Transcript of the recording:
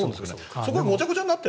そこがごちゃごちゃになってる。